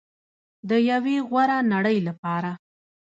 د یوې غوره نړۍ لپاره.